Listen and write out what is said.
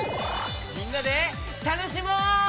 みんなでたのしもう！